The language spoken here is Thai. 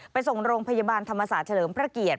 ไปส่งโรงพยาบาลธรรมศาสตร์เฉลิมพระเกียรติ